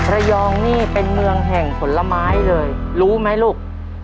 ระยองนี่เป็นเมืองแห่งผลไม้เลยรู้ไหมลูก